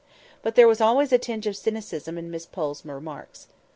But there was always a tinge of cynicism in Miss Pole's remarks.